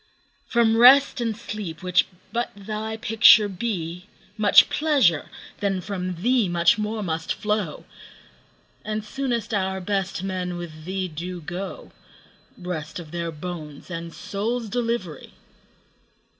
From Rest and Sleep, which but thy picture be, 5 Much pleasure, then from thee much more must flow; And soonest our best men with thee do go— Rest of their bones and souls' delivery!